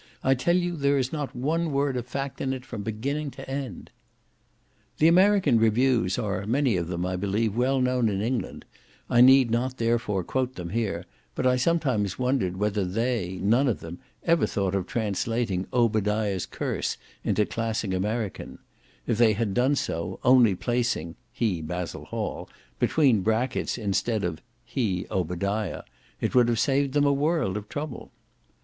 I tell you there is not a word of fact in it from beginning to end." The American Reviews are, many of them, I believe, well known in England; I need not, therefore, quote them here, but I sometimes wondered that they, none of them, ever thought of translating Obadiah's curse into classic American; if they had done so, only placing (he, Basil Hall,) between brackets instead of (he, Obadiah,) it would have saved them a world of trouble.